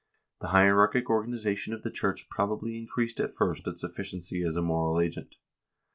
The hier archic organization of the church probably increased at first its efficiency as a moral agent.